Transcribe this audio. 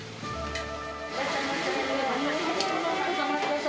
いらっしゃいませー。